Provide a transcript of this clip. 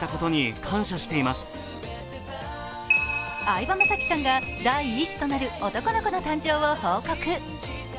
相葉雅紀さんが第１子となる男の子の誕生を報告。